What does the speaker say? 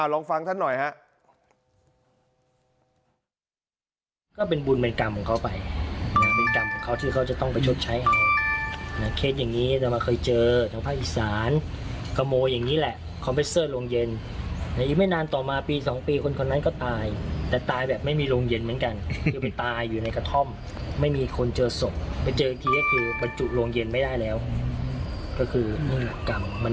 ลองฟังท่านหน่อยฮะ